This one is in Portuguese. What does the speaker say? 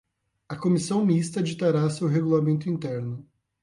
A Comissão Mista ditará seu regulamento interno.